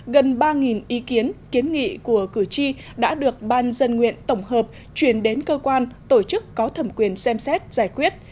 gần ba ý kiến kiến nghị của cử tri đã được ban dân nguyện tổng hợp truyền đến cơ quan tổ chức có thẩm quyền xem xét giải quyết